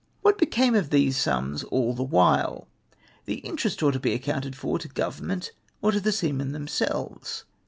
What became of these sums all the while ? The interest ought to be accounted for to Grovern ment or to the seamen themselves.